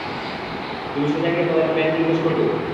তুমি সোজা গিয়ে তাদের প্ল্যান জিজ্ঞেস করবে?